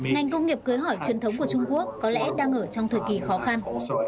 ngành công nghiệp cưới hỏi truyền thống của trung quốc có lẽ đang ở trong thời kỳ khó khăn